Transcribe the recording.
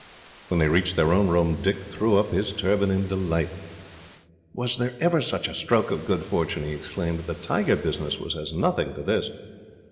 When they reached their own room, Dick threw up his turban in delight. "Was there ever such a stroke of good fortune?" he exclaimed. "The tiger business was as nothing to this.